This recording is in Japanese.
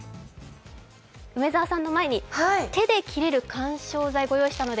梅澤さんの前に手で切れる緩衝材、ご用意しました。